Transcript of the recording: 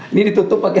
ini ditutup pakai